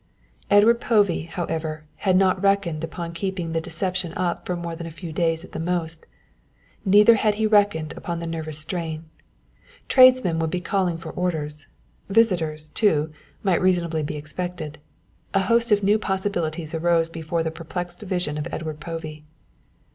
Edward Povey, however, had not reckoned upon keeping the deception up for more than a few days at the most, neither had he reckoned upon the nerve strain. Tradesmen would be calling for orders visitors, too, might reasonably be expected. A host of new possibilities arose before the perplexed vision of Edward Povey.